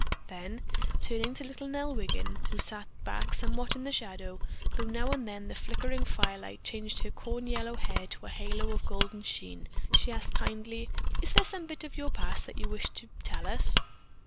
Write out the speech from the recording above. Then turning to little Nell Wiggin, who sat back somewhat in the shadow, though now and then the flickering firelight changed her corn yellow hair to a halo of golden sheen, she asked kindly: "Is there some bit of your past that you wish to tell us?"